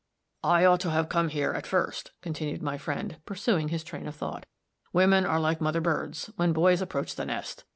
"I ought to have come right here at first," continued my friend, pursuing his train of thought. "Women are like mother birds, when boys approach the nest.